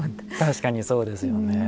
確かにそうですよね。